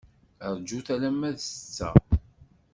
Rjut alamma d ssetta.